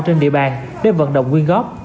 trên địa bàn để vận động nguyên góp